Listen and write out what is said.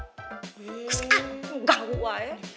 kusat gak woy